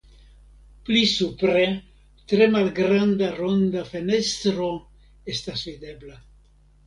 Pli supre tre malgranda ronda fenestro estas videbla.